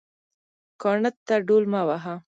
کاڼه ته ډول مه وهه